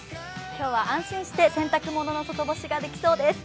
今日は安心して洗濯物の外干しができそうです。